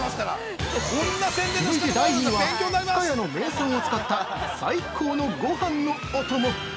◆続いて第２位は「深谷の名産を使った最高のごはんのお供」。